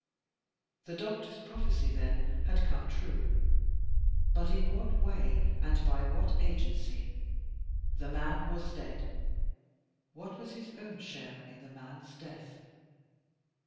The doctor's prophecy, then, had come true. But in what way and by what agency? The man was dead. What was his own share in the man's death?